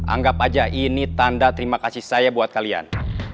anggap aja ini tanda terima kasih saya buat kalian